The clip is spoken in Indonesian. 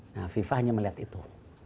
nah fifa hanya melihat itu